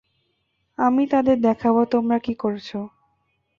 আমি তাদের দেখাবো তোমরা কি করেছ।